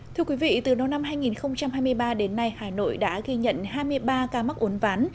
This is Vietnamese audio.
thưa quý vị từ đầu năm hai nghìn hai mươi ba đến nay hà nội đã ghi nhận hai mươi ba ca mắc uốn ván